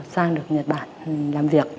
sang được nhật bản làm việc